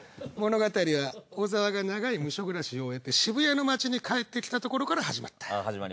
物語は小沢が長いムショ暮らしを終えて渋谷の町に帰ってきたところから始まった。